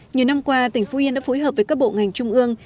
nhiều năm qua tỉnh phú yên đã phối hợp với các bộ ngành trung ương